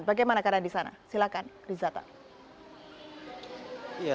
bagaimana keadaan di sana silahkan rizata